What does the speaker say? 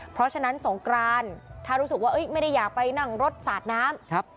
เพราะฉะนั้นสงกรานถ้ารู้สึกว่าไม่ได้อยากไปนั่งรถสาดน้ำ